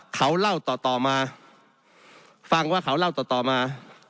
เขาเล่าต่อมาฟังว่าเขาเล่าต่อมา